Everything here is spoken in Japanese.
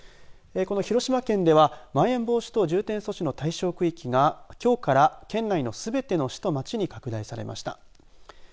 この広島県ではまん延防止等重点措置の対象区域がきょうから県内のすべての市と町に拡大されました。